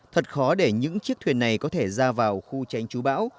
thật khó để những chiếc thuyền này có thể ra vào khu tránh chú bão